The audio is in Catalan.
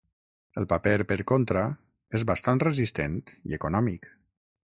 El paper, per contra, és bastant resistent i econòmic.